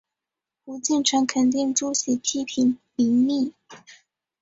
胡晋臣肯定朱熹批评林栗。